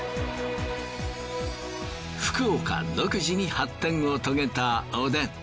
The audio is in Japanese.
福岡独自に発展を遂げたおでん。